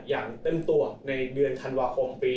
อย่างเต็มตัวในเดือนธันวาคมปี